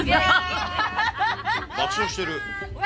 爆笑してる。